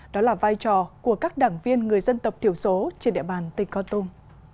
đó là vai trò của các đảng viên người dân tộc thiểu số trên địa bàn tỉnh con tum